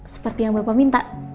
seperti yang bapak minta